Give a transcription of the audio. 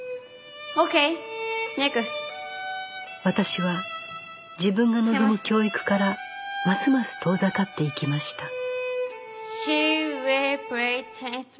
私は自分が望む教育からますます遠ざかっていきました